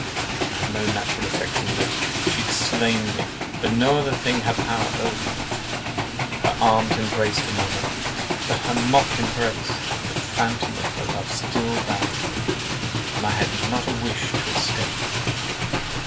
I had no natural affection left; she had slain me, but no other thing had power over me. Her arms embraced another; but her mock embrace, the phantom of her love, still bound me, and I had not a wish to escape.